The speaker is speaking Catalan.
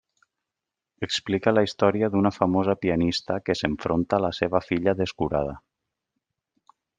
Explica la història d'una famosa pianista que s'enfronta a la seva filla descurada.